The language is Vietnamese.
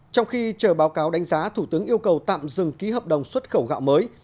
trong khi chờ báo cáo đánh giá thủ tướng yêu cầu tạm dừng ký hợp đồng xuất khẩu gạo mới